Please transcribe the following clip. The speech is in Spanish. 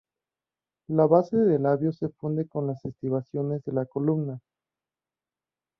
La base del labio se funde con las estribaciones de la columna.